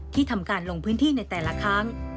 ทำการลงพื้นที่ในแต่ละครั้ง